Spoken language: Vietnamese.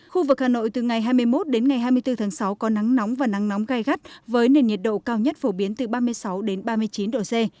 khu vực hà nội từ ngày hai mươi một đến ngày hai mươi bốn tháng sáu có nắng nóng và nắng nóng gai gắt với nền nhiệt độ cao nhất phổ biến từ ba mươi sáu đến ba mươi chín độ c